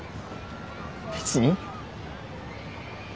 別に。